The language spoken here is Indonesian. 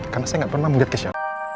karena saya tidak pernah melihat keisha